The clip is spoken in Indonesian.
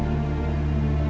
masih di sini